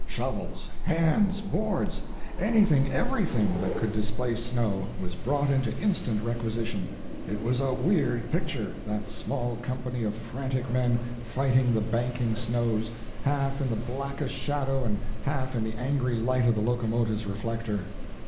Shovels, hands, boards anything, everything that could displace snow, was brought into instant requisition. It was a weird picture, that small company of frantic men fighting the banking snows, half in the blackest shadow and half in the angry light of the locomotive's reflector.